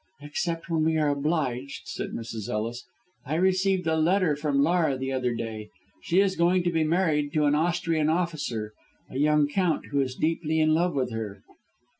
"Except when we are obliged," said Mrs. Ellis. "I received a letter from Laura the other day. She is going to be married to an Austrian officer, a young Count who is deeply in love with her."